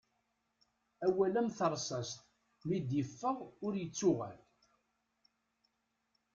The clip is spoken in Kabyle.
Awal am terṣast mi d-iffeɣ ur ittuɣal.